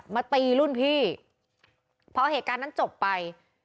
มาตีรุ่นพี่พอเหตุการณ์นั้นจบไป